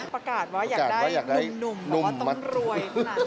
ประกาศว่าอยากได้หนุ่มบอกว่าต้องรวย